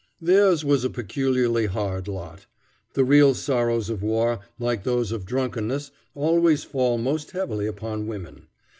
Theirs was a peculiarly hard lot. The real sorrows of war, like those of drunkenness, always fall most heavily upon women.